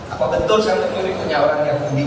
apa betul saya mencuri punya orang yahudi